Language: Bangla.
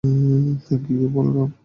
Thank you, Balaram.